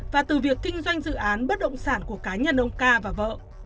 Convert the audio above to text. và từ việc kinh doanh dự án bất động sản của cá nhân ông ca và vợ